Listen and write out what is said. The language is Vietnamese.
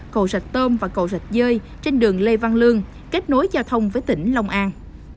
cầu rạch tôm và cầu rạch dơi trên đường lê văn lương kết nối giao thông với tỉnh long an